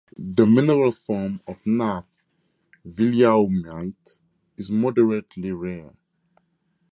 The mineral form of NaF, villiaumite, is moderately rare.